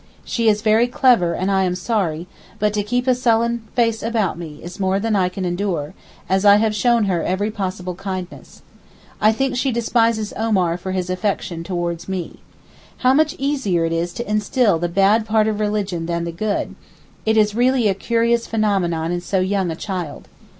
She is very clever and I am sorry, but to keep a sullen face about me is more than I can endure, as I have shown her every possible kindness. I think she despises Omar for his affection towards me. How much easier it is to instil the bad part of religion than the good; it is really a curious phenomenon in so young a child.